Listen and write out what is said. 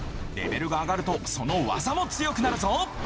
レベルが上がるとそのわざも強くなるぞ。